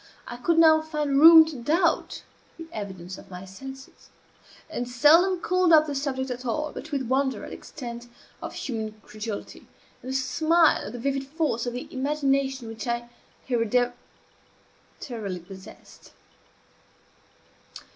I could now find room to doubt the evidence of my senses; and seldom called up the subject at all but with wonder at the extent of human credulity, and a smile at the vivid force of the imagination which I hereditarily possessed.